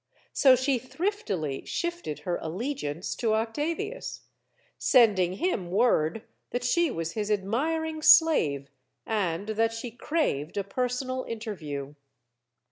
So she thriftily shifted her allegiance to Octavius; sending him word that she was his admiring slave, and that she craved a personal interview.